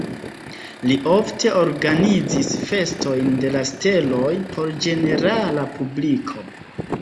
Li ofte organizis festojn de la steloj por ĝenerala publiko.